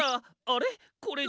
あれ？